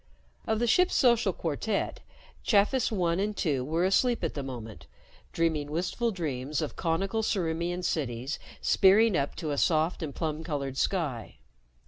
Of the ship's social quartet, Chafis One and Two were asleep at the moment, dreaming wistful dreams of conical Ciriimian cities spearing up to a soft and plum colored sky.